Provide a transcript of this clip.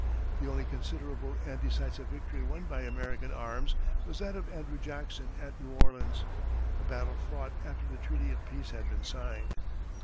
The only considerable and decisive victory won by American arms was that of Andrew Jackson at New Orleans a battle fought after the treaty of peace had been signed.